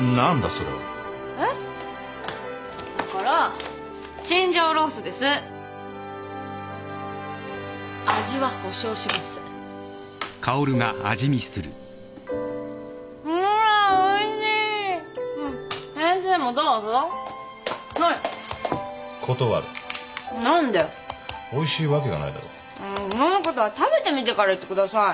そういうことは食べてみてから言ってください。